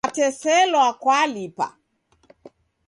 Kateselwa kwalipa.